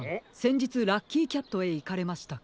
じつラッキーキャットへいかれましたか？